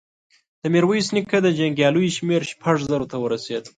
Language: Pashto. د ميرويس نيکه د جنګياليو شمېر شپږو زرو ته ورسېد.